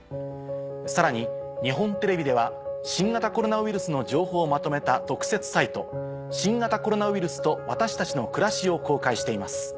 さらに日本テレビでは新型コロナウイルスの情報をまとめた。を公開しています。